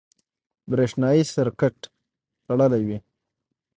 برېښنایي سرکټ تړلی وي.